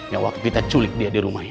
yang waktu kita culik dia di rumahnya